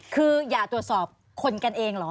คืออย่าตรวจสอบคนกันเองเหรอ